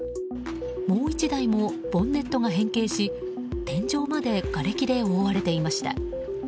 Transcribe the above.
もう１台もボンネットが変形し天井までがれきで覆われていました。